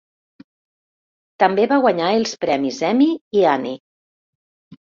També va guanyar els premis Emmy i Annie.